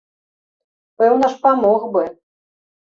Пэўна ж памог бы.